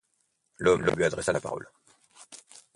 L'homme lui adressa la parole.